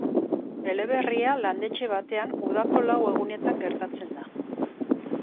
Eleberria landetxe batean, udako lau egunetan gertatzen da.